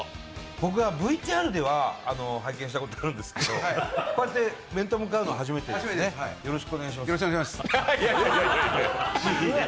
僕はＶＴＲでは拝見したことあるんですけど、こうやって面と向かうのは初めてですね、よろしくお願いします。